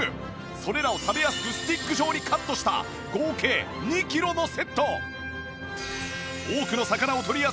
それらを食べやすくスティック状にカットした合計２キロのセット！